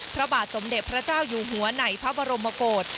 พระบาทสมเด็จพระเจ้าอยู่หัวในพระบรมกฏ